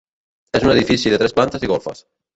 És un edifici de tres plantes i golfes.